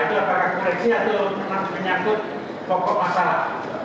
itu apakah koreksi atau pernah menyatuk pokok masalah